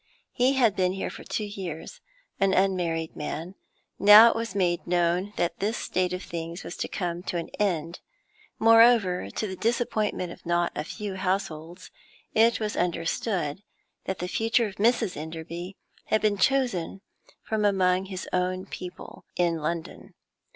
He had been here for two years, an unmarried man; now it was made known that this state of things was to come to an end; moreover, to the disappointment of not a few households, it was understood that the future Mrs. Enderby had been chosen from among his own people, in London.